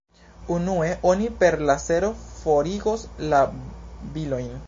Unue oni per lasero forigos la vilojn.